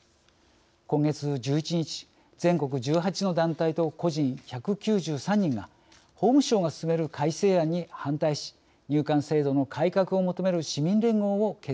今月１１日全国１８の団体と個人１９３人が法務省が進める改正案に反対し入管制度の改革を求める市民連合を結成しました。